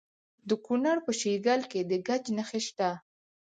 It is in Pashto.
د کونړ په شیګل کې د ګچ نښې شته.